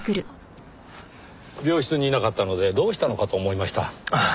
病室にいなかったのでどうしたのかと思いました。